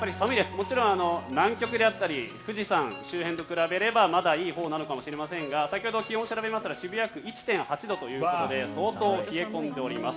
もちろん南極であったり富士山周辺と比べればまだいいほうかもしれませんが先ほど気温を調べましたら渋谷区１．８度ということで相当、冷え込んでおります。